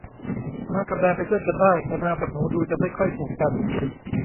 หมากับแมวเป็นเพื่อนกันได้ แต่แมวกับหนูดูจะไม่ค่อยถูกกัน